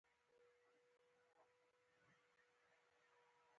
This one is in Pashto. د کورنیو تولیداتو د ملاتړ له لارې کار فرصتونه رامنځته شول.